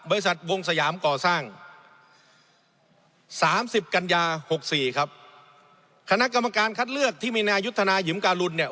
วงสยามก่อสร้างสามสิบกัญญาหกสี่ครับคณะกรรมการคัดเลือกที่มีนายุทธนายิมการุลเนี่ย